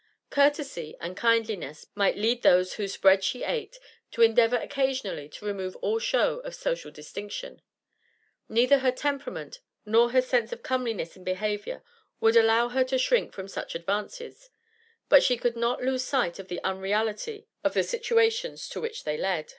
Courtesy and kindliness might lead those whose bread she ate to endeavour occasionally to remove all show of social distinction; neither her temperament nor her sense of comeliness in behaviour would allow her to shrink from such advances, but she could not lose sight of the unreality of the situations to which they led.